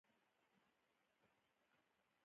انار ته هم نووګوړه وای